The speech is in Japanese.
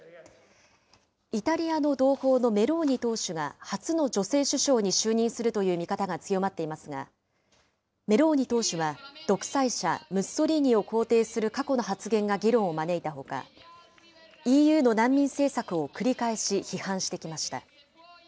イタリアの同胞のメローニ党首が初の女性首相に就任するという見方が強まっていますが、メローニ党首は独裁者、ムッソリーニを肯定する過去の発言が議論を招いたほか、ＥＵの難民政策を繰り返し批判してきました。